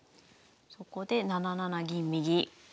そこで７七銀右。